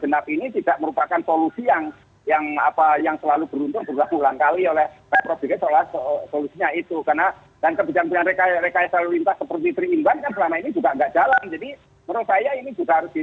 nah ini angkot itu bisa diganti dengan jendela kendaraan yang lebih lebih lagi